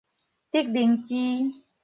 竹靈芝